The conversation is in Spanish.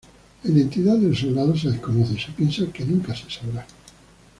La identidad del soldado se desconoce y se piensa que nunca se sabrá.